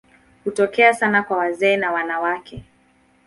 Hutokea sana kwa wazee na wanawake.